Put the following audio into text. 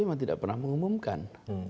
memang tidak pernah mengumumkan